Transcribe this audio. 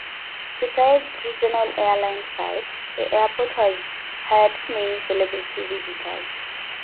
Besides regional airline flights, the airport has had many celebrity visitors.